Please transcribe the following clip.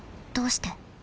どうして？